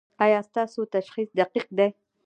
ایا ستاسو تشخیص دقیق دی؟